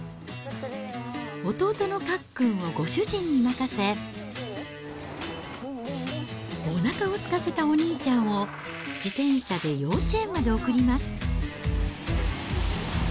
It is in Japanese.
弟のかっくんをご主人に任せ、おなかをすかせたお兄ちゃんを自転車で幼稚園まで送ります。